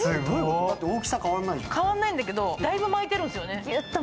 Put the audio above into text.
大きさ変わらないんだけどだいぶ巻いてるんですよね。